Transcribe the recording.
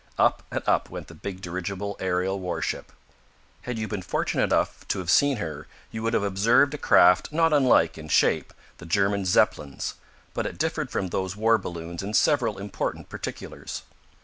Up and up went the big dirigible aerial warship. Had you been fortunate enough to have seen her you would have observed a craft not unlike, in shape, the German Zeppelins. But it differed from those war balloons in several important particulars.